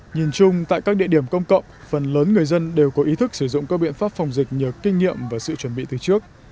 nhìn chung tại các địa điểm công cộng phần lớn người dân đều có ý thức sử dụng các biện pháp phòng dịch nhờ kinh nghiệm và sự chuẩn bị từ trước